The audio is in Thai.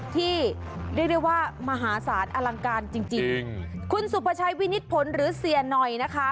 ที่เรียกได้ว่ามหาศาลอลังการจริงจริงคุณสุประชัยวินิตผลหรือเสียหน่อยนะคะ